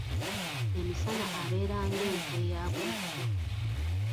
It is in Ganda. Emisana abeera ng'ente eya bulijjo.